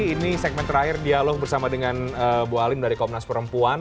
ini segmen terakhir dialog bersama dengan bu halim dari komnas perempuan